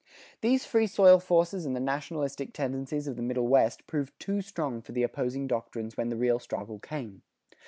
These Free Soil forces and the nationalistic tendencies of the Middle West proved too strong for the opposing doctrines when the real struggle came.